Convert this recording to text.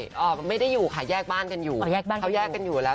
ใช่ไม่ได้อยู่ค่ะแยกบ้านกันอยู่เขาแยกกันอยู่แล้ว